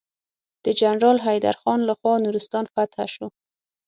د جنرال حيدر خان لخوا نورستان فتحه شو.